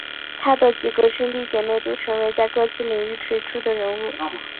他的几个兄弟姐妹都成为在各自领域杰出的人物。